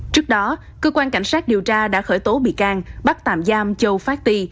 trước đó cơ quan cảnh sát điều tra đã khởi tố bị can bắt tạm giam châu phát ti